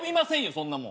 そんなもん。